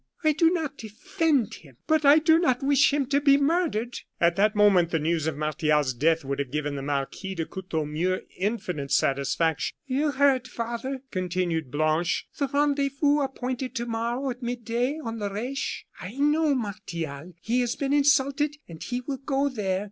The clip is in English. "I do not defend him; but I do not wish him to be murdered." At that moment the news of Martial's death would have given the Marquis de Courtornieu infinite satisfaction. "You heard, father," continued Blanche, "the rendezvous appointed to morrow, at mid day, on the Reche. I know Martial; he has been insulted, and he will go there.